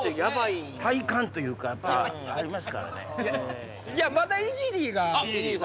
体幹というかやっぱありますからね。